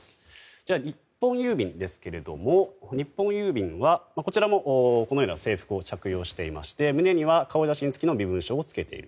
では日本郵便ですけども日本郵便はこちらも制服を着用していまして胸には顔写真付きの身分証を着けている。